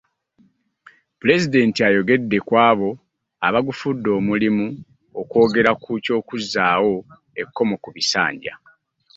Pulezidenti ayogedde ku abo abagufudde omulimu okwogera ku ky'okuzzaawo ekkomo ku bisanja.